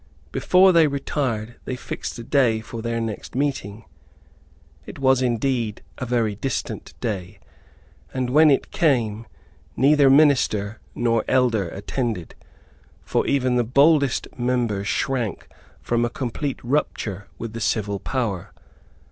Before they retired they fixed a day for their next meeting. It was indeed a very distant day; and when it came neither minister nor elder attended; for even the boldest members shrank from a complete rupture with the civil power.